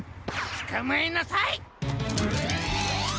つかまえなさい！